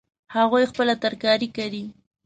هغوی خپله ترکاري کري